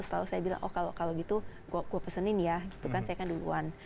lalu saya bilang oh kalau begitu saya pesan dulu ya